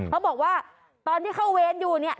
เขาบอกว่าตอนที่เข้าเวรอยู่เนี่ย